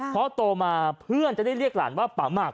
พอโตมาเพื่อนจะได้เรียกหลานว่าป่าหมาก